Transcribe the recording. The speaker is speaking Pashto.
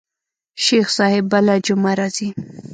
شيخ صاحب بله جمعه راځي.